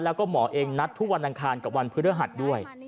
แล้วก็หมอเองนัดทุกวันอังคารกับวันพฤหัสด้วย